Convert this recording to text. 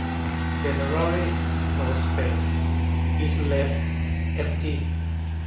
Generally no space is left empty.